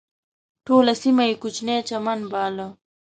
ټوله سیمه یې کوچنی چمن باله.